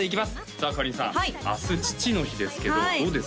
さあかりんさん明日父の日ですけどどうです？